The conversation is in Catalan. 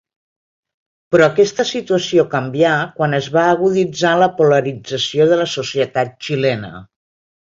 Però aquesta situació canvià quan es va aguditzar la polarització de la societat xilena.